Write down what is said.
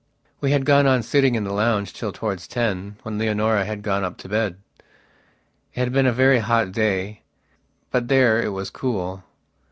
We had gone on sitting in the lounge till towards ten, when Leonora had gone up to bed. It had been a very hot day, but there it was cool.